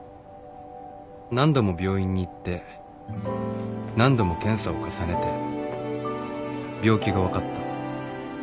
何度も病院に行って何度も検査を重ねて病気が分かった